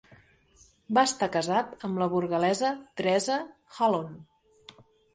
Va estar casat amb la burgalesa Teresa Jalón.